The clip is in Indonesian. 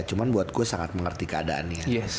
cuma buat gue sangat mengerti keadaannya